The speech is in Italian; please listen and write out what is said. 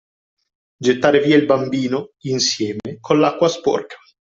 Gettare via il bambino [insieme] con l'acqua sporca.